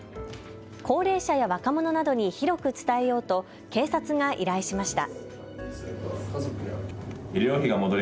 高齢者や若者などに広く伝えようと警察が依頼しました。